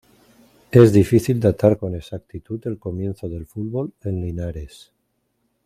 Es difícil datar con exactitud el comienzo del fútbol en Linares.